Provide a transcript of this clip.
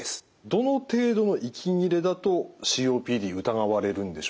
どの程度の息切れだとＣＯＰＤ疑われるんでしょうか？